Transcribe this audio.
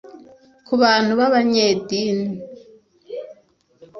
ku bantu ba banyeyedini